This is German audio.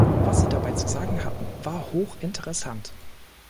Was sie dabei zu sagen hatten, war hochinteressant.